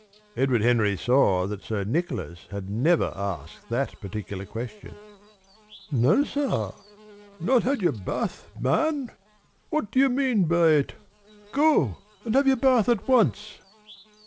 Edward Henry saw that Sir Nicholas had never asked that particular question. "No, sir." "Not had your bath, man! What on earth do you mean by it? Go and have your bath at once!"